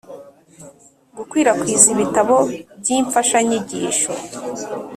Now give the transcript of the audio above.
Gukwirakwiza ibitabo by imfashanyigisho